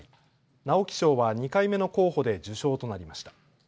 直木賞は２回目の候補で受賞となりました。